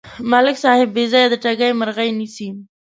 ملک صاحب بېځایه د ټګۍ مرغۍ نیسي.